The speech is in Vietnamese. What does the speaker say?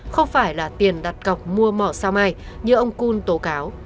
không phải là tiền đặt cọc mua mỏ sao mai như ông cung tố cáo